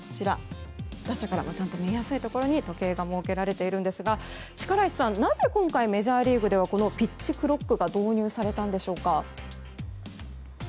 打者からも見えやすいところに時計が設けられていますが力石さん、なぜ今回メジャーリーグではピッチクロックが導入されたんでしょうか。